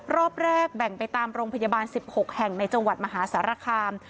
รอบแรกแบ่งไปตามโรงพยาบาล๑๖แห่งในจังหวัดมหาสารคาม